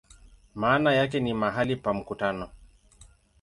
Maana yake ni "mahali pa mkutano".